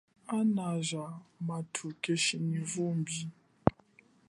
Ana ja mathu keshi nyi vumbi.